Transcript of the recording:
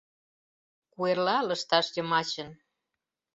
Куэрла лышташ йымачын